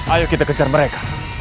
ayo kita kejar mereka